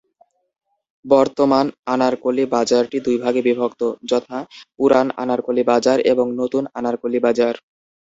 বর্তমান আনারকলি বাজারটি দুইটি ভাগে বিভক্ত, যথা: "পুরান আনারকলি বাজার" এবং "নতুন আনারকলি বাজার"।